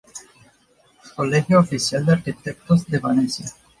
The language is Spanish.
Colegio Oficial de arquitectos de Valencia.